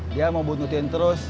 dia mau bunuhin terus